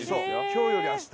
今日より明日。